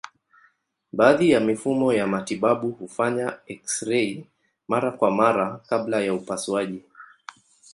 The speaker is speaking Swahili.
Baadhi ya mifumo ya matibabu hufanya eksirei mara kwa mara kabla ya upasuaji.